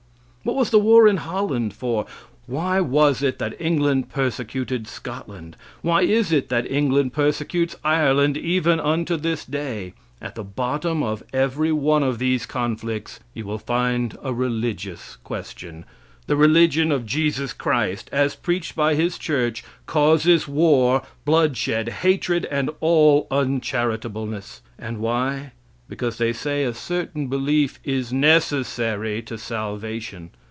What was the war in Holland for? Why was it that England persecuted Scotland? Why is it that England persecutes Ireland even unto this day? At the bottom of every one of these conflicts you will find a religious question. The religion of Jesus Christ, as preached by His church, causes war, bloodshed, hatred, and all uncharitableness; and why? Because they say a certain belief is necessary to salvation.